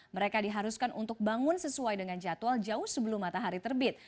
mereka diharuskan untuk bangun sesuai dengan jadwal jauh sebelum matahari terbit